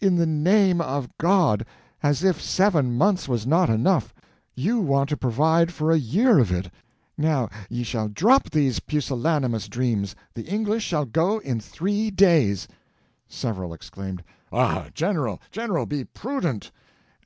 "In the name of God! As if seven months was not enough, you want to provide for a year of it. Now ye shall drop these pusillanimous dreams—the English shall go in three days!" Several exclaimed: "Ah, General, General, be prudent!"